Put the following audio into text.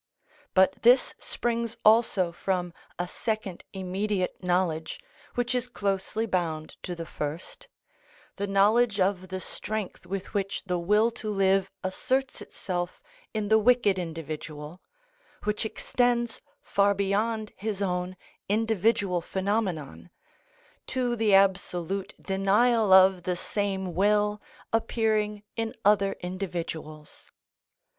But this springs also from a second immediate knowledge, which is closely bound to the first—the knowledge of the strength with which the will to live asserts itself in the wicked individual, which extends far beyond his own individual phenomenon, to the absolute denial of the same will appearing in other individuals.